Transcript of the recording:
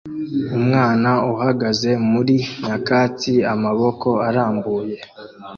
Umwana uhagaze muri nyakatsi amaboko arambuye